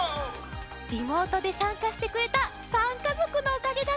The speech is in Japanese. リモートでさんかしてくれた３かぞくのおかげだね。